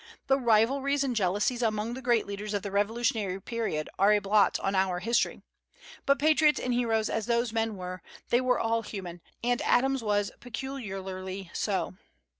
The rivalries and jealousies among the great leaders of the revolutionary period are a blot on our history. But patriots and heroes as those men were, they were all human; and Adams was peculiarly so.